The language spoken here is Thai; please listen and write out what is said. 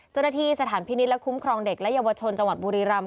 เจ้าหน้าที่สถานพินิษฐ์และคุ้มครองเด็กและเยาวชนจังหวัดบุรีรำ